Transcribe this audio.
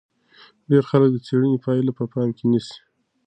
ډېر خلک د څېړنې پایلې په پام کې نیسي.